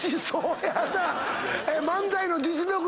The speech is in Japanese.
漫才の実力で？